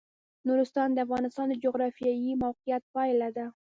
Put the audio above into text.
نورستان د افغانستان د جغرافیایي موقیعت پایله ده.